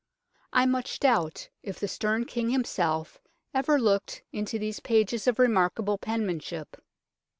I much doubt if the stern King himself ever looked into these pages of remarkable penmanship.